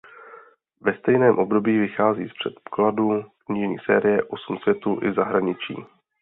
Ve stejném období vychází v překladu knižní série "Osm světů" i v zahraničí.